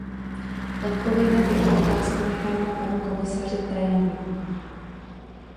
Odpověď na tuto otázku nechám na panu komisaři Tajanim.